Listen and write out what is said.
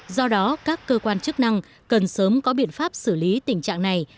do đó các cơ quan chức năng cần sớm có biện pháp xử lý tình trạng này